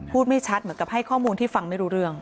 ไม่ชัดเหมือนกับให้ข้อมูลที่ฟังไม่รู้เรื่อง